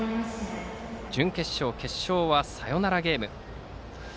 準決勝、決勝はサヨナラゲーム。